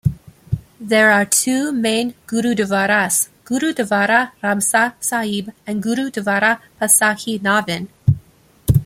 There are two main Gurudwaras, Gurudwara Ramsar Sahib and Gurudwara Pathsahi Nauvin.